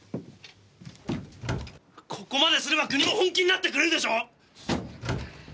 ここまですれば国も本気になってくれるでしょう！？